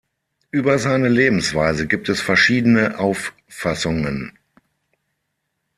Über seine Lebensweise gibt es verschiedene Auffassungen.